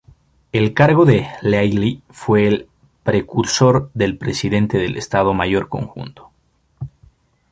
El cargo de Leahy fue el precursor del Presidente del Estado Mayor Conjunto.